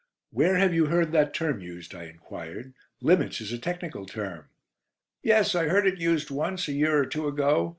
"Where have you heard that term used?" I enquired. "'Limits' is a technical term." "Yes, I heard it used once, a year or two ago.